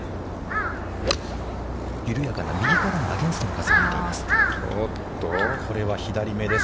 ◆緩やかな右からのアゲインストの風が吹いています。